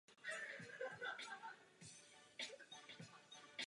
Vyzýváme k celoevropskému uznávání školních, odborných a vysokoškolských kvalifikací.